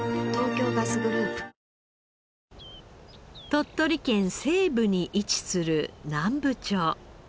鳥取県西部に位置する南部町。